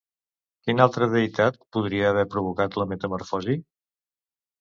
Quina altra deïtat podria haver provocat la metamorfosi?